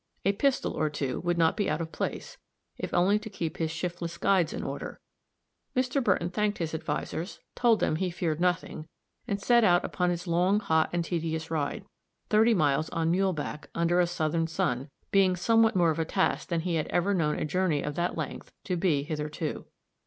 A pistol or two would not be out of place, if only to keep his shiftless guides in order. Mr. Burton thanked his advisers, told them he feared nothing, and set out upon his long, hot and tedious ride thirty miles on muleback, under a southern sun, being something more of a task than he had ever known a journey of that length to be hitherto.